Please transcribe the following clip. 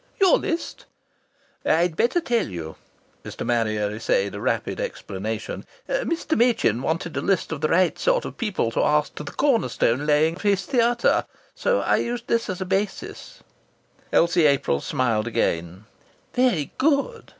"Your list?" "I'd better tell you." Mr. Marrier essayed a rapid explanation. "Mr. Machin wanted a list of the raight sort of people to ask to the corner stone laying of his theatah. So I used this as a basis." Elsie April smiled again: "Very good!"